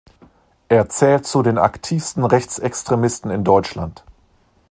Er zählt zu den aktivsten Rechtsextremisten in Deutschland.